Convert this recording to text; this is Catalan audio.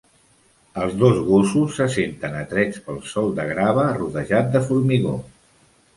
Els dos gossos se senten atrets pel sòl de grava rodejat de formigó.